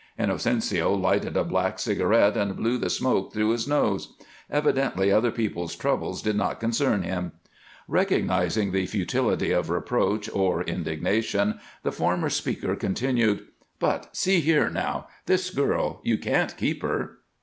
Inocencio lighted a black cigarette and blew the smoke through his nose. Evidently other people's troubles did not concern him. Recognizing the futility of reproach or indignation, the former speaker continued: "But see here, now! This girl! You can't keep her."